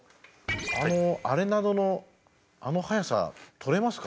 あのアレナドのあの速さ捕れますか？